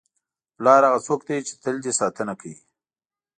پلار هغه څوک دی چې تل دې ساتنه کوي.